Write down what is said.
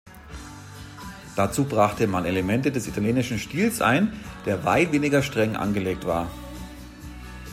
Dazu brachte man Elemente des italienischen Stils ein, der weit weniger streng angelegt war.